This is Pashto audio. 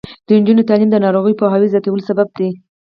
د نجونو تعلیم د ناروغیو پوهاوي زیاتولو سبب دی.